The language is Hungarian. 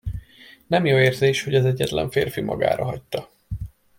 Nem jó érzés, hogy az egyetlen férfi magára hagyta.